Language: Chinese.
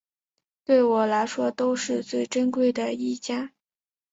对我来说都是最珍贵的意见